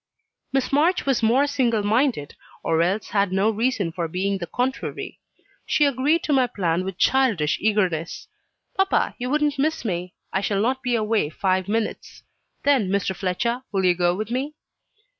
Miss March was more single minded, or else had no reason for being the contrary. She agreed to my plan with childish eagerness. "Papa, you wouldn't miss me I shall not be away five minutes. Then, Mr. Fletcher, will you go with me?"